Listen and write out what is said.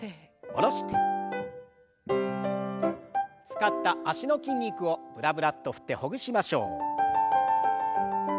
使った脚の筋肉をブラブラッと振ってほぐしましょう。